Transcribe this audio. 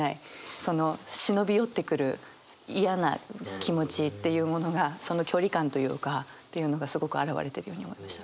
その忍び寄ってくる嫌な気持ちっていうものがその距離感というかというのがすごく表れてるように思いました。